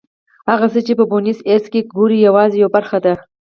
هغه څه چې په بونیس ایرس کې ګورئ یوازې یوه برخه ده.